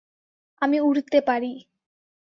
আমি উড়তে পারি।